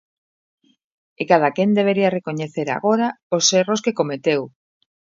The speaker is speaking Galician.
E cada quen debería recoñecer agora os erros que cometeu.